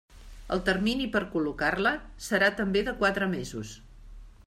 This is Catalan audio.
El termini per col·locar-la serà també de quatre mesos.